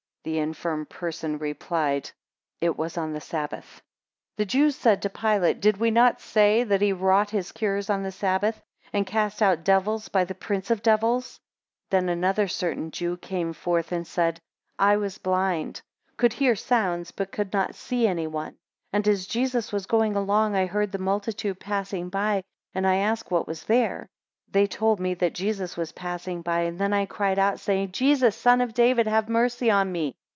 18 The infirm person replied, It was on the sabbath. 19 The Jews said to Pilate, Did we not say that he wrought his cures on the sabbath, and cast out devils by the prince of devils? 20 Then another certain Jew came forth, and said, I was blind, could hear sounds, but could not see any one; and as Jesus was going along, I heard the multitude passing by, and I asked what was there? 21 They told me that Jesus was passing by: then I cried out, saying, Jesus, Son of David, have mercy on me.